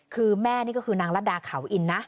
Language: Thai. คือแม่นี่ก็คือนางรัดดาเขาอินนะ